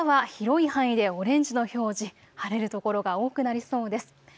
朝は広い範囲でオレンジの表示、晴れる所が多くなりそうです。